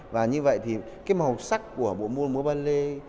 và như vậy thì màu sắc của bộ môn búa ballet